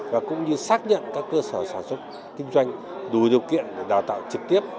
và cũng như xác nhận các cơ sở sản xuất kinh doanh đủ điều kiện để đào tạo trực tiếp